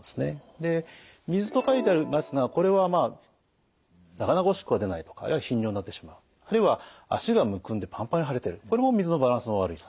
で水と書いてありますがこれはまあなかなかおしっこが出ないとかあるいは頻尿になってしまうあるいは足がむくんでパンパンに腫れてるこれも水のバランスの悪さ。